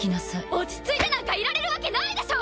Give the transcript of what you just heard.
落ち着いてなんかいられるわけないでしょ！